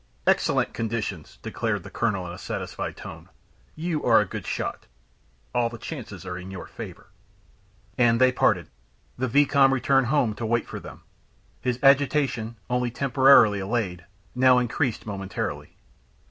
"Excellent conditions," declared the colonel in a satisfied tone. "You are a good shot; all the chances are in your favor." And they parted. The vicomte returned home to, wait for them. His agitation, only temporarily allayed, now increased momentarily.